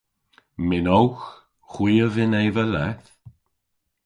Mynnowgh. Hwi a vynn eva leth.